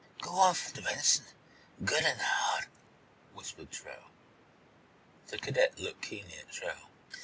"Go after Benson, good and hard," whispered Truax. The cadet looked keenly at Truax.